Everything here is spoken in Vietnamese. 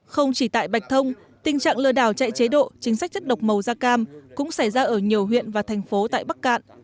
không chỉ tại bạch thông tình trạng lừa đảo chạy chế độ chính sách chất độc màu da cam cũng xảy ra ở nhiều huyện và thành phố tại bắc cạn